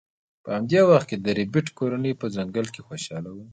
په همدې وخت کې د ربیټ کورنۍ په ځنګل کې خوشحاله وه